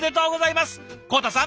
康太さん